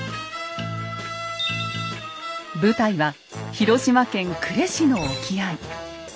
舞台は広島県呉市の沖合。